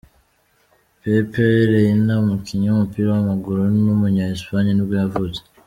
Pepe Reina, umukinnyi w’umupira w’amaguru w’umunya Espagne nibwo yavutse.